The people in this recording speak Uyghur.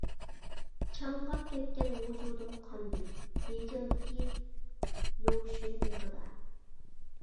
چاڭقاپ كەتكەن ۋۇجۇدۇم قاندى، بېيجىڭدىكى لۇشۈن بېغىدا.